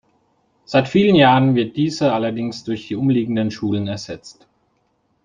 Seit vielen Jahren wird diese allerdings durch die umliegenden Schulen ersetzt.